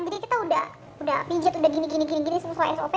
jadi kita udah pijet udah gini gini semua sop